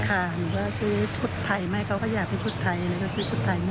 ค่ะหรือว่าซื้อชุดไทยไหมเค้าก็อยากไปชุดไทย